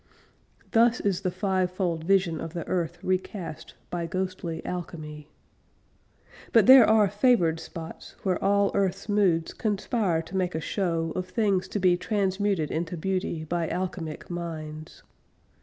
Thus is the fivefold vision of the earth recast By ghostly alchemy. But there are favored spots Where all earth's moods conspire to make a show Of things to be transmuted into beauty By alchemic minds.